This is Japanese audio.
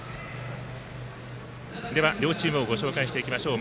両チームをご紹介していきましょう。